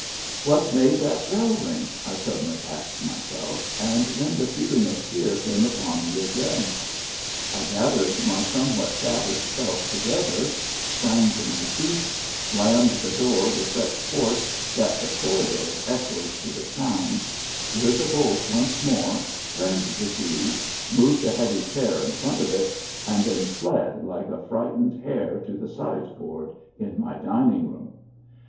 "What made that bell ring?" I suddenly asked myself, and then the feeling of fear came upon me again. I gathered my somewhat shattered self together, sprang to my feet, slammed the door with such force that the corridors echoed to the sound, slid the bolt once more, turned the key, moved a heavy chair in front of it, and then fled like a frightened hare to the sideboard in my dining room.